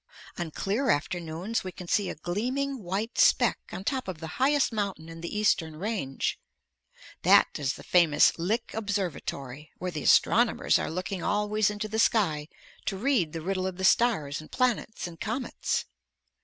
On clear afternoons we can see a gleaming white speck on the top of the highest mountain in the eastern range. That is the famous Lick Observatory, where the astronomers are looking always into the sky to read the riddle of the stars and planets and comets.